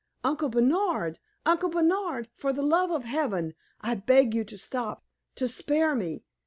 Uncle Bernard Uncle Bernard, for the love of Heaven I beg of you to stop to spare me!